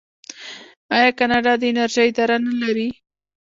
آیا کاناډا د انرژۍ اداره نلري؟